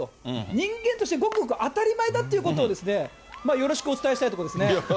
人間としてごくごく当たり前だということをですね、よろしくお伝えしたいところですね。